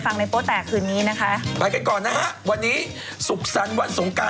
อ้าวคุณผู้ชมก็รอไปฟังในโป๊ดแตกคืนนี้นะคะ